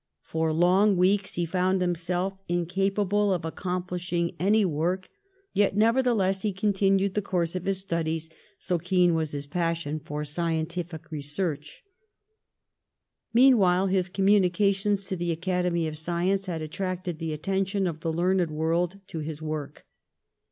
For long weeks he found himself in capable of accomplishing any work, yet never theless he continued the course of his studies, so keen was his passion for scientific research. Meanwhile his communications to the Acad emy of Science had attracted the attention of the learned world to his work.